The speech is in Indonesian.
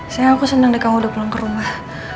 sayang aku seneng deh kamu udah pulang ke rumah